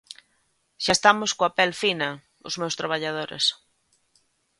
Xa estamos coa pel fina: os meus traballadores.